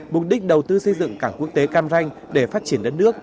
mục đích đầu tư xây dựng cảng quốc tế cam ranh để phát triển đất nước